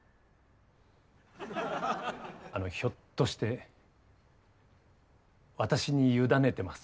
あのひょっとして私に委ねてます？